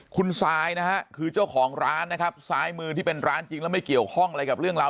คุณซายนะฮะคือเจ้าของร้านนะครับซ้ายมือที่เป็นร้านจริงแล้วไม่เกี่ยวข้องอะไรกับเรื่องราว